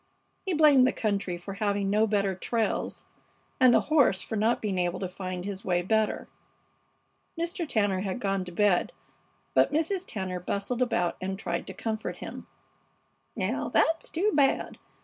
He blamed the country for having no better trails, and the horse for not being able to find his way better. Mr. Tanner had gone to bed, but Mrs. Tanner bustled about and tried to comfort him. "Now that's too bad!